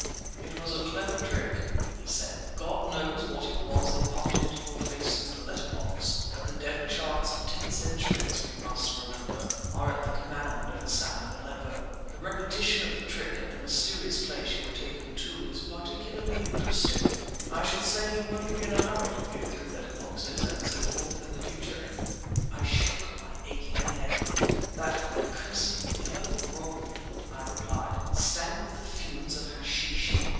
"It was a clever trick," he said. "God knows what it was they puffed into your face through the letter box, but the devilish arts of ten centuries, we must remember, are at the command of Hassan of Aleppo! The repetition of the trick at the mysterious place you were taken to is particularly interesting. I should say you won't be in a hurry to peer through letter boxes and so forth in the future?" I shook my aching head. "That accursed yellow room," I replied, "stank with the fumes of hashish.